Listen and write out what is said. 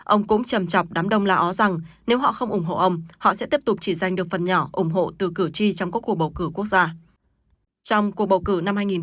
ông cũng trầm chọc đám đông là ó rằng nếu họ không ủng hộ ông họ sẽ tiếp tục chỉ giành được phần nhỏ ủng hộ từ cử tri trong các cuộc bầu cử quốc gia